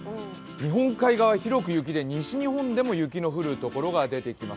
日本海側広く雪で西日本でも雪の降るところが出てきます。